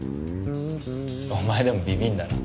お前でもビビるんだな。